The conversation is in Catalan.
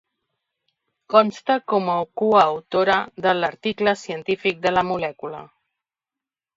Consta com a coautora de l'article científic de la molècula.